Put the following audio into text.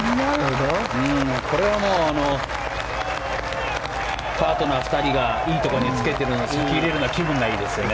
これはもうパートナー２人がいいところにつけているのに先に入れるのは気分がいいですよね。